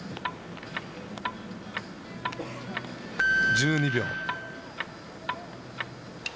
１２秒。